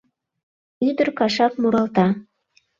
Ӱдыр кашак муралта: